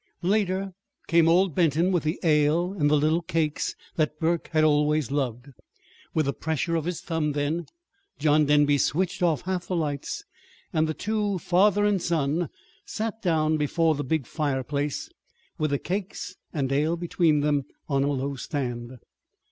Later came old Benton with the ale and the little cakes that Burke had always loved. With a pressure of his thumb, then, John Denby switched off half the lights, and the two, father and son, sat down before the big fireplace, with the cakes and ale between them on a low stand.